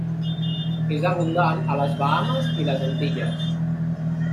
És abundant a les Bahames i les Antilles.